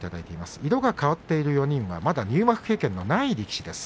色が変わっている４人はまだ入幕経験のない力士です。